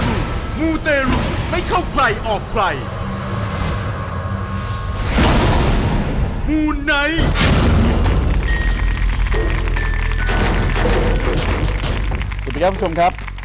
สวัสดีครับคุณผู้ชมครับ